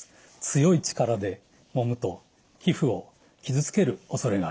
強い力でもむと皮膚を傷つけるおそれがあります。